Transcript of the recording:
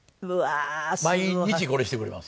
毎日これしてくれます。